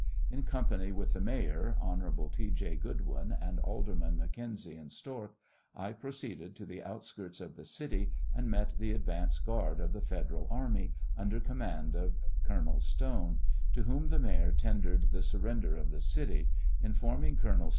In company with the Mayor, Hon. T. J. Goodwyn, and Alderman McKenzie and Stork, I proceeded to the outskirts of the city and met the ad vance guard of the Federal army, under command of Colonel Stone, to whom the Mayor tendered the sur render of the city, informing Col.